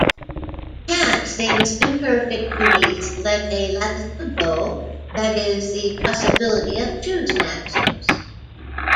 Kant thinks imperfect duties let a "latitudo": that is, the possibility of choose maxims.